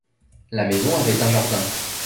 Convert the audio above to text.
La maison avait un jardin.